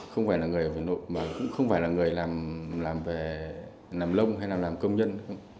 không phải là người làm lông hay làm công nhân